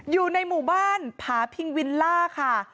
อยู่ในหมู่บ้านผาพิงวิลล่าค่ะ